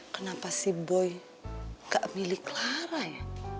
kenapa si boy nggak milih clara ya